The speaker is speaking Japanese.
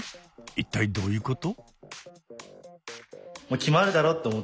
一体どういうこと？